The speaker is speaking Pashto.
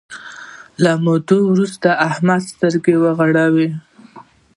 له مودې وروسته احمد سترګې وغړولې.